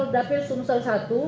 dapil sumsel i